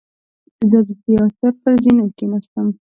زه د تیاتر پر زینو کېناستم.